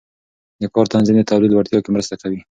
د کار تنظیم د تولید لوړتیا کې مرسته کوي.